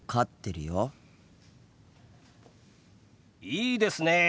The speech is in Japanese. いいですねえ。